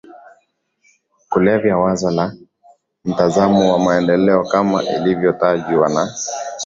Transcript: kulevya Wazo la mtazamo wa maendeleo kama ilivyotajwa na